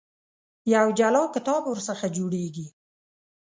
یو جلا کتاب ورڅخه جوړېږي.